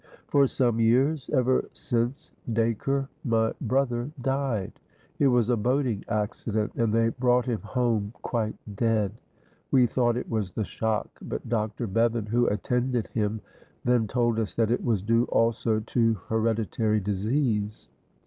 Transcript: "For some years. Ever since Dacre, my brother, died. It was a boating accident, and they brought him home quite dead. We thought it was the shock, but Dr. Bevan, who attended him, then told us that it was due also to hereditary disease.